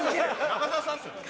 中澤さんっすよね？